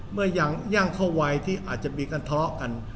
เมื่ออย่างเขาว่ายที่อาจจะมีการท้อกัน